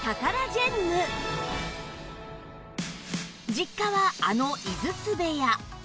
実家はあの井筒部屋